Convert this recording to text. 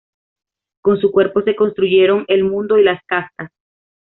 Con su cuerpo se construyeron el mundo y las castas.